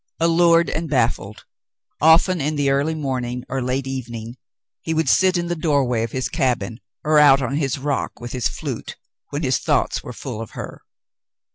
Allured and baffled, often in the early morning or late evening he would sit in the doorway of his cabin, or out on his rock with his flute, when his thoughts were full of her.